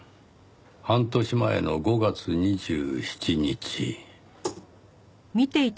半年前の５月２７日。